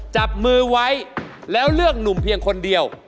จับมือไว้แล้วเลือกหนุ่มเพียงคนเดียว